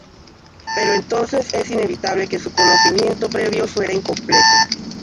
Pero entonces es inevitable que su conocimiento previo fuera incompleto.